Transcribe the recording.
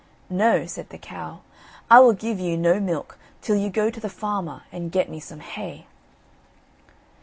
"No," said the cow, "I will give you no milk, till you go to the farmer, and get me some hay."